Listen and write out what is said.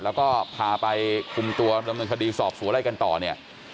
แล้วก็พาไปคุมตัวดำเนินคดีสอบสวนอะไรกันต่อเนี่ย